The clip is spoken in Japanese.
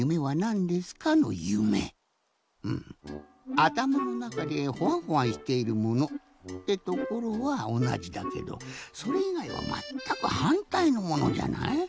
あたまのなかでホワンホワンしているものってところはおなじだけどそれいがいはまったくはんたいのものじゃない？